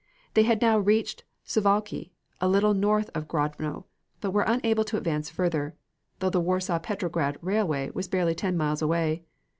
They had now reached Suwalki, a little north of Grodno, but were unable to advance further, though the Warsaw Petrograd railway was barely ten miles away.